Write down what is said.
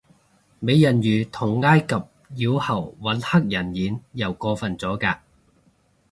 美人魚同埃及妖后搵黑人演又過份咗嘅